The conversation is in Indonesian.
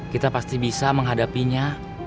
kita pasti bisa menghadapinya